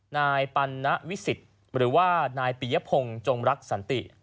นายปัณวิสิตหรือว่านายปียพงศ์จงรักสันติ